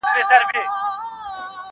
هم دي عقل هم دي فکر پوپناه سو-